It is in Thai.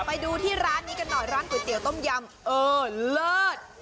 ไปดูที่ร้านนี้กันหน่อยร้านก๋วยเตี๋ยต้มยำเออเลิศ